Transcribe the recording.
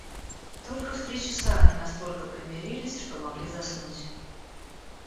Только в три часа они настолько примирились, что могли заснуть.